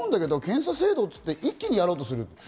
僕、思うんだけど検査制度って一気にやろうとする。